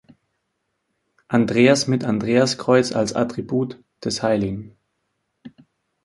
Andreas mit Andreaskreuz als Attribut, des hl.